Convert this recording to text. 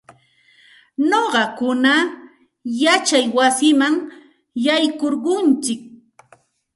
Nuqayku yachay wasiman yaykurquntsik.